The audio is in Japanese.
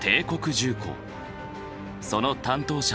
その担当者